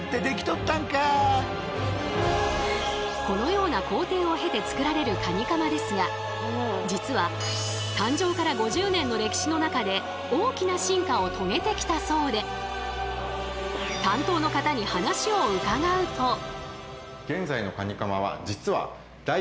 このような工程を経て作られるカニカマですが実は誕生から５０年の歴史の中で大きな進化を遂げてきたそうで担当の方に話を伺うと。